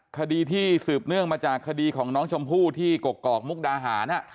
คดีที่สืบเนื่องมาจากคดีของน้องชมพู่ที่กกอกมุกดาหาร